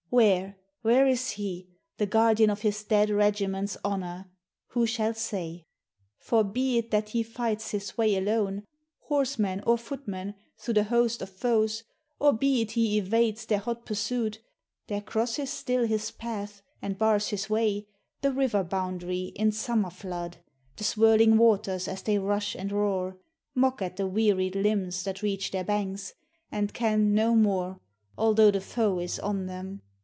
"Where? where is he? the guardian Of his dead regiment's honour? Who shall say? For, be it that he fights his way alone Horseman or footman, through the host of foes Or be it he evades their hot pursuit, There crosses still his path, and bars his way, The river boundary in summer flood, The swirling waters as they rush and roar, Mock at the wearied limbs that reach their banks, And can no more, although the foe is on them!